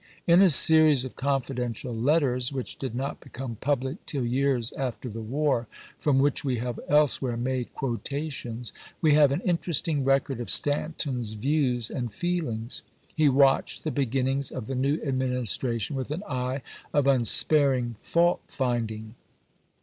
In a series of confidential letters which did not become public till years after the war, from which we have elsewhere made quotations, we have an interesting record of Stanton's views and feelings. He watched the beginnings of the new Administra tion with an eye of unsparing fault finding.